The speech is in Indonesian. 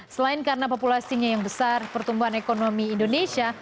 selain karena populasinya yang besar pertumbuhan ekonomi indonesia